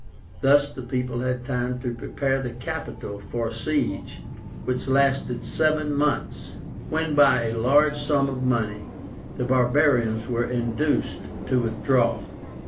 Thus the people had time to prepare the Capitol for a siege, which lasted seven months, when by a large sum of money the barbarians were induced to withdraw.